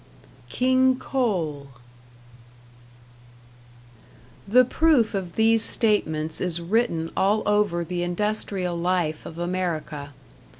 #King Coal# The proof of these statements is written all over the industrial life of America.